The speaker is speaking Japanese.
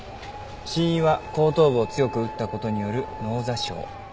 死因は後頭部を強く打った事による脳挫傷。